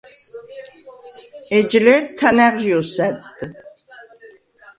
ეჯ ლე̄თ თანა̈ღჟი ოსა̈დდ.